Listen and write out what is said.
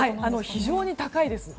非常に高いです。